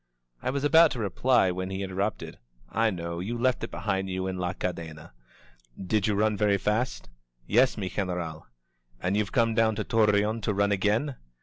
I was about to reply when he interrupted : "I know. You left it behind you in La Cadena. Did you run very fast?" "Yes, mi General. "And you've come down to Torreon to run again?"